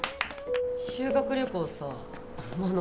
・修学旅行さ真野